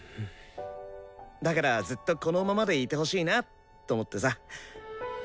だからずっとこのままでいてほしいなと思ってさ。